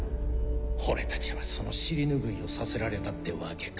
俺たちはその尻拭いをさせられたってわけか。